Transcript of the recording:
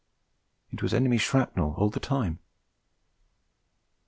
It was enemy shrapnel all the time.